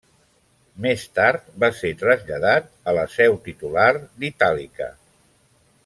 Més tard va ser traslladat a la seu titular d'Itàlica.